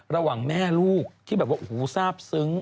ระหว่างแม่ลูกที่แบบว่าโอ้โหทราบซึ้ง